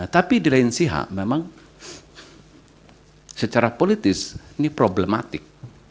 tapi di lain pihak memang secara politis ini problematik